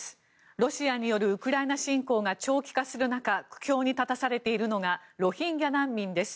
ロシアによるウクライナ侵攻が長期化する中苦境に立たされているのがロヒンギャ難民です。